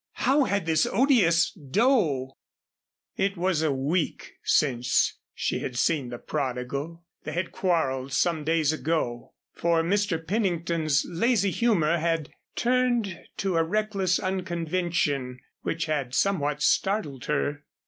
How had this odious Doe ? It was a week since she had seen the prodigal. They had quarreled some days ago, for Mr. Pennington's lazy humor had turned to a reckless unconvention which had somewhat startled her.